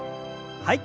はい。